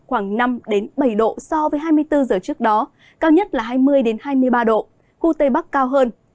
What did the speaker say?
khoảng năm bảy độ so với hai mươi bốn giờ trước đó cao nhất là hai mươi hai mươi ba độ khu tây bắc cao hơn